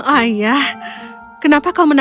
ayah kenapa kau menangis